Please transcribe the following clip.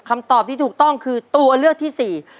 คำตอบที่ถูกต้องคือตัวเลือกที่สี่